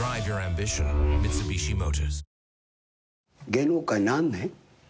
芸能界何年？